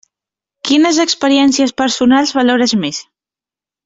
Quines experiències personals valores més?